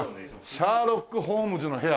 シャーロック・ホームズの部屋！